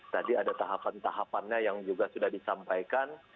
tadi ada tahapan tahapannya yang juga sudah disampaikan